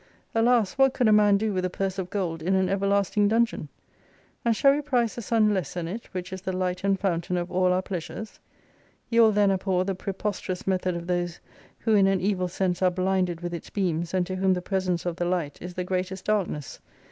Alas, what could a man do with a purse of gold in an everlasting dungeon ? And shall we prize the sun less than it, which is the light and fountain of all our pleasures? You will then abhor the preposterous method of those, who in an evil sense are blinded with its beams, and to whom the presence of the light is the greatest darkness.